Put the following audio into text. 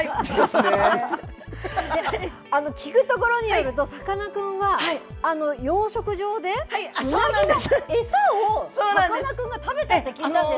聞くところによるとさかなクンは養殖場でウナギの餌をさかなクンが食べたって聞いたんです。